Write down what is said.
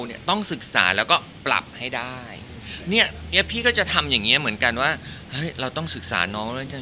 จนถึงวันนี้ได้เจอหรือได้คุยกับทุกคน